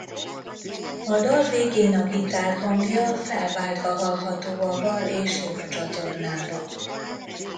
A dal végén a gitár hangja felváltva hallható a bal és jobb csatornában.